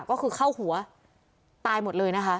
ก็คือเข้าหัวตายหมดเลยนะคะ